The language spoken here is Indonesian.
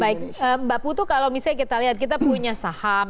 baik mbak putu kalau misalnya kita lihat kita punya saham